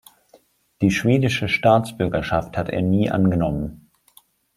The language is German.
Die schwedische Staatsbürgerschaft hat er nie angenommen.